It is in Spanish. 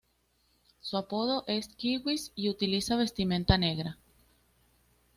Su apodo es "Kiwis" y utiliza vestimenta negra.